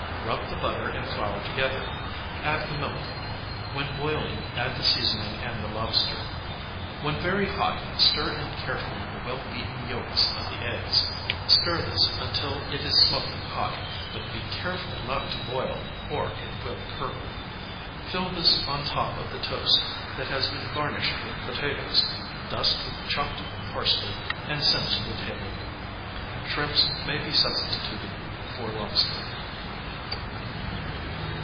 Rub the butter and flour together, add the milk; when boiling add the seasoning and the lobster. When very hot stir in carefully the well beaten yolks of the eggs. Stir this until it is smoking hot, but be careful not to boil, or it will curdle. Fill this on top of the toast that has been garnished with potatoes, dust with chopped parsley and send to the table. Shrimps may be substituted for lobster.